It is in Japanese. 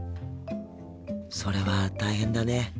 それは大変だね。